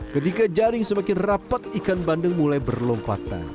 ketika jaring semakin rapat ikan bandeng mulai berlompatan